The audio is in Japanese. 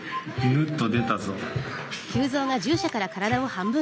ぬっと出たぞ。